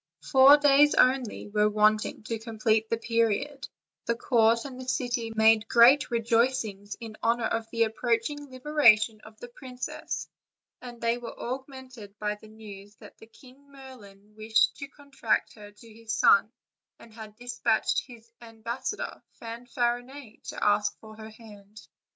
Four days only were want ing to complete the period; the court and the city made great rejoicings in honor of the approaching liberation of the princess, and they were augmented by the news that King Merlin wished to contract her to his son, and had dispatched his ambassador Fanfarinet to ask for her hand.